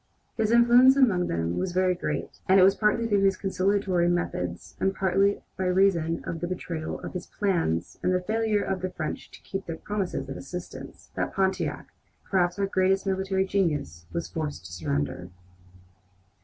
His influence among them was very great; and it was partly through his conciliatory methods, and partly by reason of the betrayal of his plans and the failure of the French to keep their promises of assistance, that Pontiac, perhaps our greatest military genius, was forced to surrender.